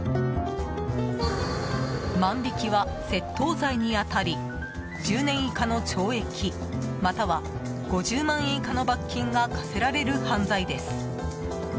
万引きは窃盗罪に当たり１０年以下の懲役または５０万円以下の罰金が科せられる犯罪です。